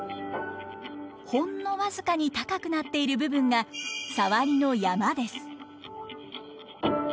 ほんの僅かに高くなっている部分がサワリの山です。